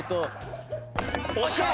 押した！